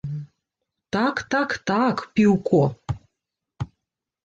Так, так, так, піўко!